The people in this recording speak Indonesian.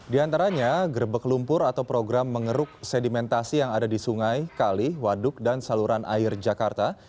di antaranya gerbek lumpur atau program mengeruk sedimentasi yang ada di sungai kali waduk dan saluran air jakarta